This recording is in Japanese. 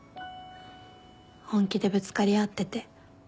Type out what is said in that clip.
本気でぶつかり合ってて。